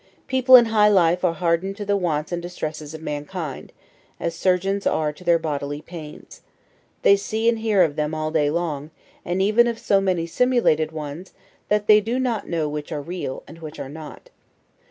People in high life are hardened to the wants and distresses of mankind, as surgeons are to their bodily pains; they see and hear of them all day long, and even of so many simulated ones, that they do not know which are real, and which not.